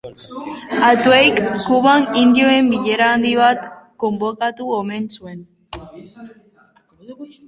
Hatueyk, Kuban, indioen bilera handi bat konbokatu omen zuen.